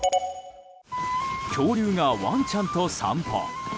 恐竜が、ワンちゃんと散歩。